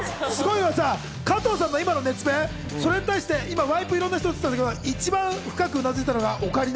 加藤さんの今の熱弁、それに対してワイプ、いろんな人が映ったけど、一番深くうなずいたのがオカリナ。